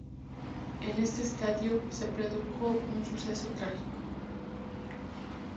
En este estadio se produjo un suceso trágico.